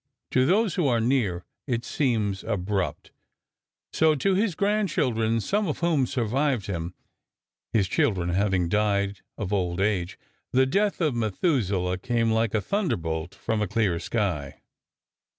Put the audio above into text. To those who are near it seems abrupt; so to his grand children some of whom survived him, his children having died of old age, the death of Methuselah came like a thunderbolt from a clear sky.